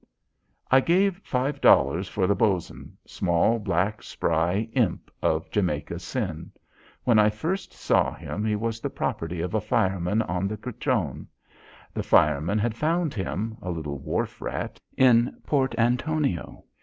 I gave five dollars for the Bos'n small, black, spry imp of Jamaica sin. When I first saw him he was the property of a fireman on the Criton. The fireman had found him a little wharf rat in Port Antonio.